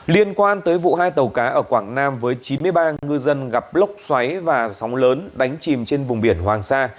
liên quan tới vụ hai tàu cá ở quảng nam với chín mươi ba ngư dân gặp lốc xoáy và sóng lớn đánh chìm trên vùng biển hoàng sa